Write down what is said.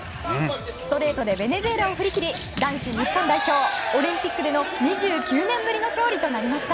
ストレートでベネズエラを振り切り男子日本代表オリンピックでの２９年ぶりの勝利となりました。